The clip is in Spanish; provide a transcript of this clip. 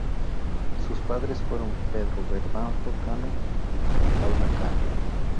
Sus padres fueron Pedro Bernardo Cano y María Paula Cano.